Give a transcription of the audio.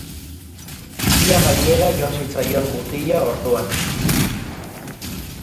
Ia gainera joan zitzaion mutila orduan.